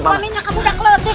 pak minah kamu sudah kelelepik